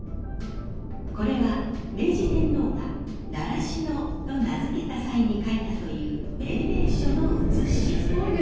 これは明治天皇が習志野と名付けた際に書いたという命名書の写し。